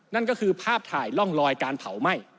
นั่นก็คือภาพถ่ายร่องรอยการเผาไหม้